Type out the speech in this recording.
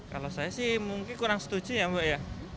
kalau saya sih mungkin kurang setuju ya mbak ya